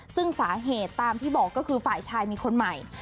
ซึ่งสาเหตุตามที่บอกก็คือฝ่ายชายมีคนใหม่